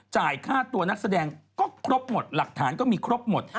จ่ายค่าตัวนักแสดงก็ครบหมดหลักฐานก็มีครบหมด